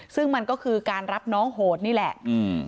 ซึ่งมันก็คือการรับน้องโหดนี่แหละอืม